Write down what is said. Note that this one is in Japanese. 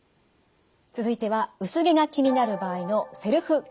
続いては薄毛が気になる場合のセルフケアです。